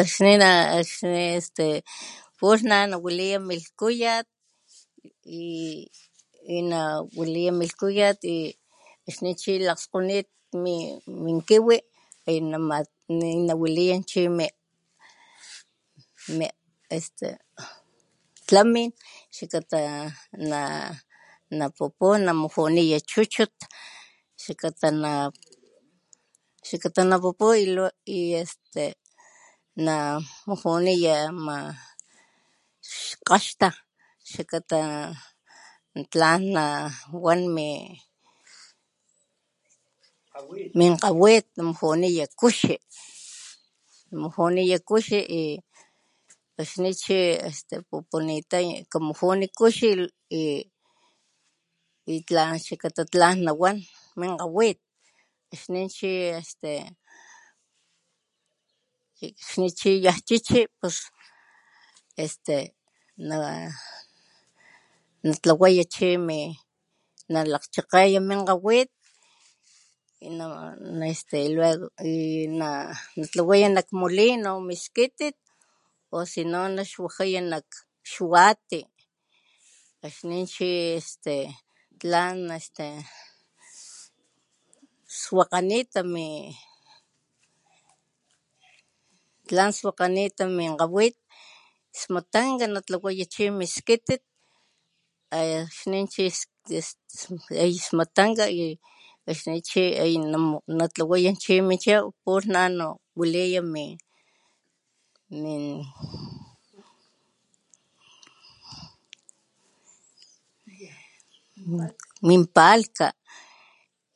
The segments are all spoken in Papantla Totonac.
Akxni na akxni este pulh na'nawaliya milhkuyat y na waliya millhkuyat y akxni chi lakgskgonit min kiwi uyu na nawaliya chimi mi este tlamik xakata na na pupu namujuniya chuchut xakata na xakata napupu y luego este na mujuniya ama kgaxta xakata tlan nawan mi min kga'wit namujuniya kuxí namujuniya kuxi y akxni chi este pupunita kamujuni kuxi y tlan xakata tlan nawan min kga'wit xni chi este xni chi yan chi'chi pus este na natlawaya chi mi nalakgchakgeya min kgawit na este luego na natlawaya nak molino miskitit o sino naxwajaya nak xwati akxni chi este tlan este swakg'anita min tlan swakg'anita min kga'wit smatanka natlawaya chi mis skitit e xni chi tis smatanka y akxni chi uyu namu natlawaya chi min chow pulh na no waliya min...... palhka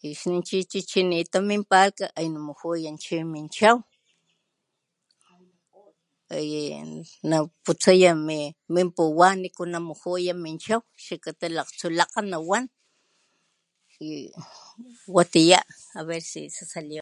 xni chi chichita min palhka aya namujuya chi min chaw eye naputsaya min puwa niku namujuya min chow xakata lakgtsolakga nawan y watiya. A ver si salió.